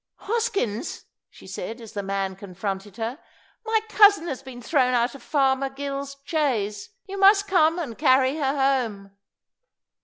"Hoskins," she said, as the man confronted her, "my cousin has been thrown out of Farmer Gill's chaise. You must come and carry her home."